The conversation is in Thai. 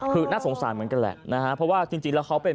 คือน่าสงสารเหมือนกันแหละนะฮะเพราะว่าจริงแล้วเขาเป็น